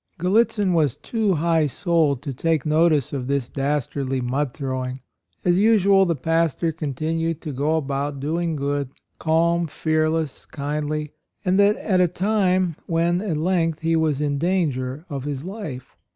Gallitzin was too high souled to take notice of this dastardly mud throwing. As usual, the pastor continued to go about "doing good" — calm, fearless, kindly, — and that at a time when, at length, he was in danger of his life.